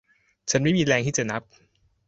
ฉันไม่มีแรงที่จะนับ